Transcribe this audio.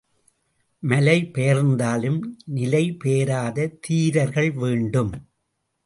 மலைபெயர்ந்தாலும் நிலை பெயராத தீரர்கள் வேண்டும்.